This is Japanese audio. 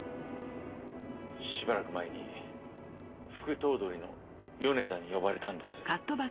しばらく前に副頭取の米田に呼ばれたんです。